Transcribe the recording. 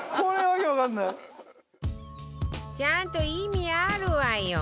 ちゃんと意味あるわよ